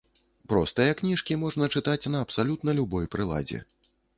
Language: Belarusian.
Простыя кніжкі можна чытаць на абсалютна любой прыладзе.